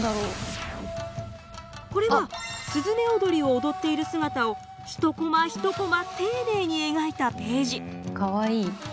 これは雀踊りを踊っている姿を一コマ一コマ丁寧に描いたページ。